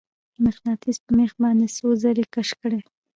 مقناطیس په میخ باندې څو ځلې کش کړئ.